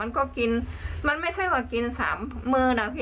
มันก็กินมันไม่ใช่ว่ากินสามมือนะพี่